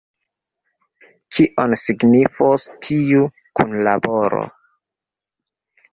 Kion signifos tiu kunlaboro?